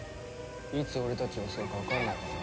いつ俺たちを襲うかわからないからな。